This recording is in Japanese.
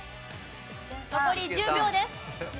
残り１０秒です。